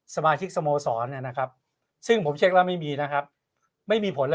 สมาชิกสโมสรนะครับซึ่งผมเช็คแล้วไม่มีนะครับไม่มีผลแล้ว